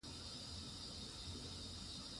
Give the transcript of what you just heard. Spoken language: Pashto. د واک د انتقال لپاره ځانګړي شرایط موجود دي.